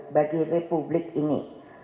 bagi republik ini